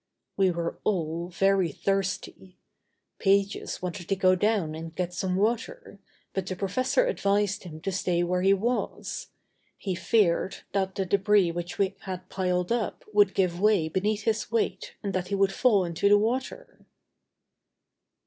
We were all very thirsty. Pages wanted to go down and get some water, but the professor advised him to stay where he was. He feared that the débris which we had piled up would give way beneath his weight and that he would fall into the water.